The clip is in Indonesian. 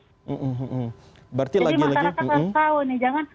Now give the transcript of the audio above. jadi masyarakat harus tahu nih jangan